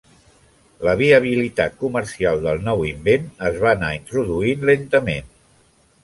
La viabilitat comercial del nou invent es va anar introduint lentament.